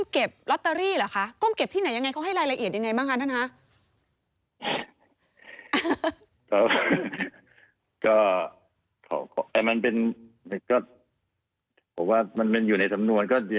เห็นร้อยตำรวจโธรจรูน